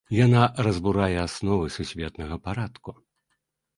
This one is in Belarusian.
Яна разбурае асновы сусветнага парадку.